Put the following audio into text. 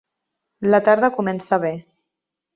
La tarda comença bé.